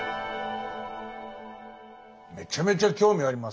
めちゃめちゃ興味ありますね。